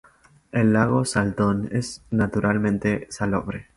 El lago Salton es naturalmente salobre.